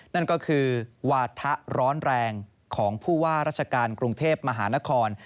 นั่นก็คือวาถะร้อนแรงของผู้ว่าราชการกรุงเทพมหานคร